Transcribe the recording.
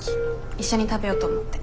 一緒に食べようと思って。